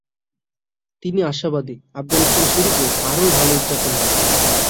তিনি আশাবাদী, আফগানিস্তান সিরিজে আরও ভালো উদযাপন হবে।